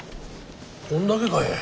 こんだけかえ。